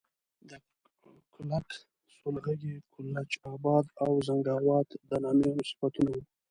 د کُلک، سولغی، کلچ آباد او زنګاوات د نامیانو صفتونه وو.